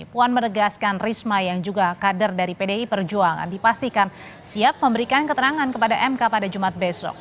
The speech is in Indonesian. puan menegaskan risma yang juga kader dari pdi perjuangan dipastikan siap memberikan keterangan kepada mk pada jumat besok